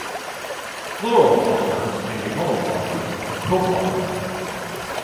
Fluoropolymers can be homopolymers or Copolymer.